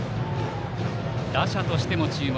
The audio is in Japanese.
打者としても注目。